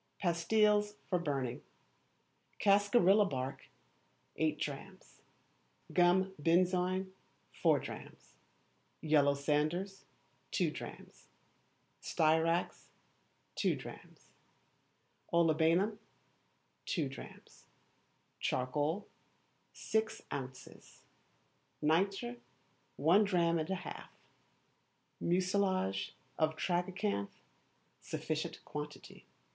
Pastilles for Burning. Cascarilla bark, eight drachms; gum benzoin, four drachms; yellow sanders, two drachms; styrax, two drachms; olibanum, two drachms; charcoal, six ounces; nitre, one drachm and a half; mucilage of tragacanth, sufficient quantity.